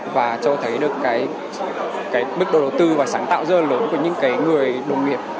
và cho thấy được cái bức đầu tư và sáng tạo rất là lớn của những cái người đồng nghiệp